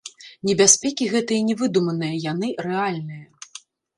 Небяспекі гэтыя не выдуманыя, яны рэальныя.